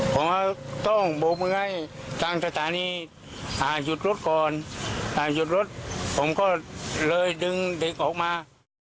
ผมต้องบุคเมืองให้จังสตาร์นี้หาหยุดรถก่อนหาหยุดรถผมก็เลยดึงเด็กออกมา